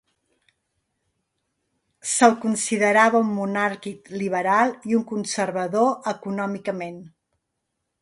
Se'l considerava un monàrquic liberal i un conservador econòmicament.